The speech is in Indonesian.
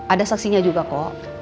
ada saksinya juga kok